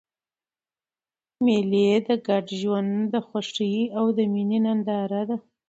مېلې د ګډ ژوند د خوښۍ او میني ننداره ده.